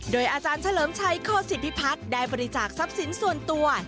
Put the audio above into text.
โดยอาจารย์เฉลิมชัยโคศิพิพัฒน์ได้บริจาคทรัพย์สินส่วนตัว